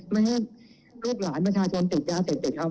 ไม่ให้ลูกหลานประชาชนติดยาเสพติดครับ